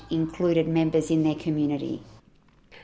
menjadi member yang sangat baik dalam komunitas mereka